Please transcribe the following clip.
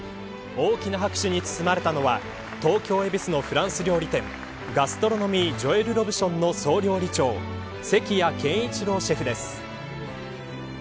大きな拍手に包まれたのは東京、恵比寿のフランス料理店ガストロノミージョエル・ロブションの総料理長関谷健一朗シェフです。